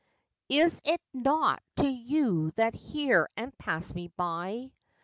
_" [Is it naught to you that hear and pass me by?